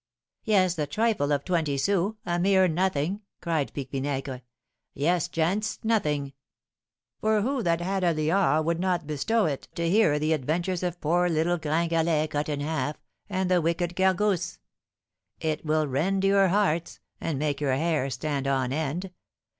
"Yes, the trifle of twenty sous, a mere nothing!" cried Pique Vinaigre. "Yes, gents, nothing; for who that had a liard would not bestow it to hear the adventures of poor little Gringalet, Cut in Half, and the wicked Gargousse? It will rend your hearts, and make your hair stand on end!